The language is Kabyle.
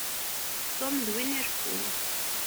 Tom d win ireffun.